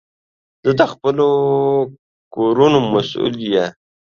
زه د خپلو کړونو مسول یی